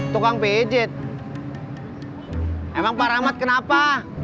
tukang pijit emang para ahmad kenapa